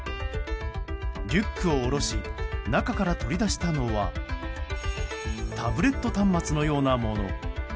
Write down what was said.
リュックを下ろし中から取り出したのはタブレット端末のようなもの。